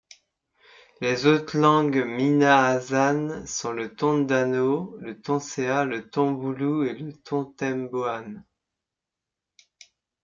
Les autres langues minahasanes sont le tondano, le tonsea, le tombulu et le tontemboan.